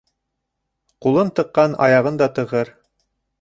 Ҡулын тыҡҡан аяғын да тығыр.